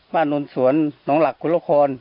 บ้านโดนสวนหนองหลักพูโลคน